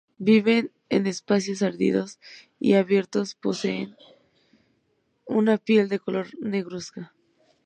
Viven es espacios áridos y abiertos, poseen una piel de color negruzca.